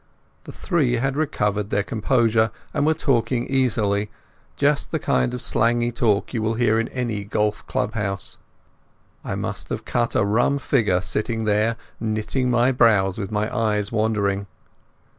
The three had recovered their composure, and were talking easily—just the kind of slangy talk you will hear in any golf club house. I must have cut a rum figure, sitting there knitting my brows with my eyes wandering.